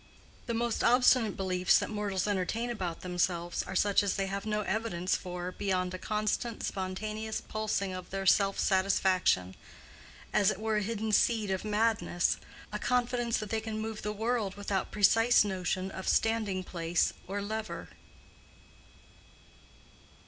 The most obstinate beliefs that mortals entertain about themselves are such as they have no evidence for beyond a constant, spontaneous pulsing of their self satisfaction—as it were a hidden seed of madness, a confidence that they can move the world without precise notion of standing place or lever.